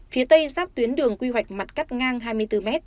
phía tây giáp tuyến đường quy hoạch mặt cắt ngang hai mươi bốn m